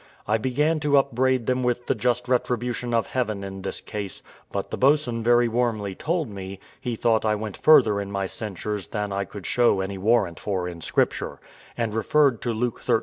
I began to upbraid them with the just retribution of Heaven in this case; but the boatswain very warmly told me, he thought I went further in my censures than I could show any warrant for in Scripture; and referred to Luke xiii.